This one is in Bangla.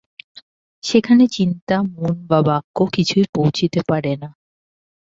সেখানে চিন্তা মন বা বাক্য কিছুই পৌঁছিতে পারে না।